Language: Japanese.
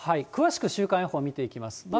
詳しく週間予報見ていきます。